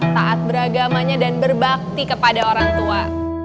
taat beragamanya dan berbakti kepada orang tua